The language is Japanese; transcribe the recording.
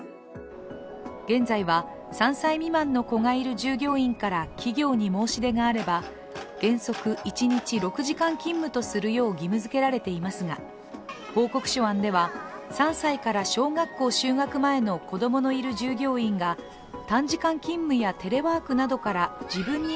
現在は、３歳未満の子がいる従業員から企業に申し出があれば原則一日６時間勤務とするよう義務づけられていますが報告書案では３歳から小学校就学前の子供のいる従業員が焼きソバもいきます？